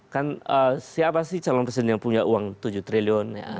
kan siapa sih calon presiden yang punya uang tujuh triliun